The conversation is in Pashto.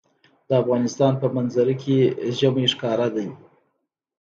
د افغانستان په منظره کې ژمی ښکاره ده.